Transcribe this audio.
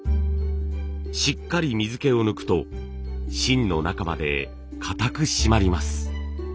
しっかり水けを抜くと芯の中までかたく締まります。